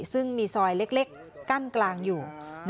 ซึ่งมีซอยเล็กกั้นกลางอยู่